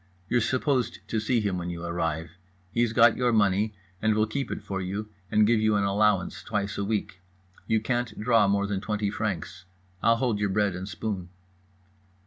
You're supposed to see him when you arrive. He's got your money and will keep it for you, and give you an allowance twice a week. You can't draw more than 20 francs. I'll hold your bread and spoon."